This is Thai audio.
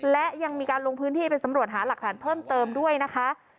และยังมีการลงพื้นที่ไปสำรวจหาหลักฐานเพิ่มเติมด้วยนะคะ